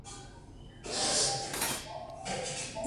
আমি জিতে গেলাম!